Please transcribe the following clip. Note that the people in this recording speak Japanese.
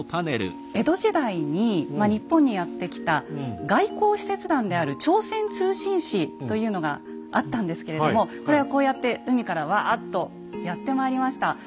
江戸時代に日本にやって来た外交使節団である「朝鮮通信使」というのがあったんですけれどもこれはこうやって海からワーッとやってまいりました。